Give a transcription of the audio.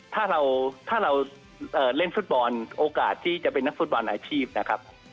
ถ้าเราถ้าเราเล่นฟุตบอลโอกาสที่จะเป็นนักฟุตบอลอาชีพนะครับ